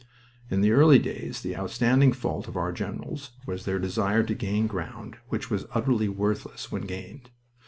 In the early days the outstanding fault of our generals was their desire to gain ground which was utterly worthless when gained.